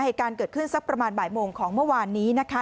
เหตุการณ์เกิดขึ้นสักประมาณบ่ายโมงของเมื่อวานนี้นะคะ